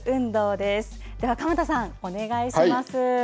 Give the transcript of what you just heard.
では鎌田さん、お願いします。